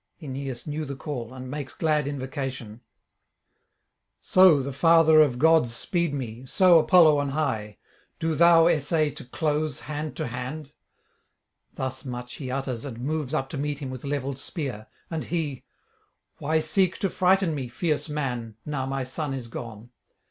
Aeneas knew the call, and makes glad invocation: 'So the father of gods speed me, so Apollo on high: do thou essay to close hand to hand. ...' Thus much he utters, and moves up to meet him with levelled spear. And he: 'Why seek to frighten me, fierce man, now my son is gone?